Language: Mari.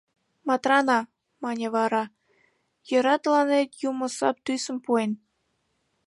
— Матрана, — мане вара, — йӧра, тыланет юмо сап тӱсым пуэн.